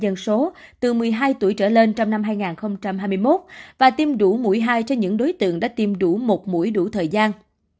dân số từ một mươi hai tuổi trở lên trong năm hai nghìn hai mươi một và tiêm đủ mũi hai cho những đối tượng đã tiêm đủ một mũi đủ thời gian